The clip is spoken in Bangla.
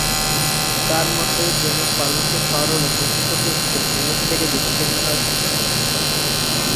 তাঁর মতে, প্রেমের সর্বোচ্চ স্তর হ'ল প্রকৃতপক্ষে প্রেমিক থেকে বিচ্ছিন্নতার সূচনা।